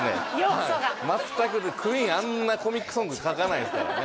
はい全くですＱＵＥＥＮあんなコミックソング書かないですからね